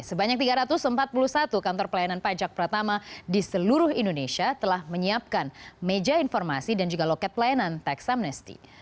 sebanyak tiga ratus empat puluh satu kantor pelayanan pajak pertama di seluruh indonesia telah menyiapkan meja informasi dan juga loket pelayanan tax amnesty